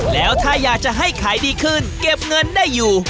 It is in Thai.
แล้วถ้าอยากจะให้ขายดีขึ้นเก็บเงินได้อยู่